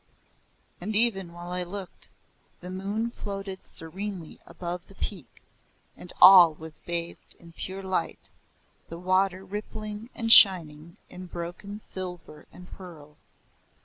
And even while I looked, the moon floated serenely above the peak, and all was bathed in pure light, the water rippling and shining in broken silver and pearl.